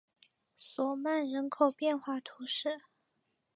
索曼人口变化图示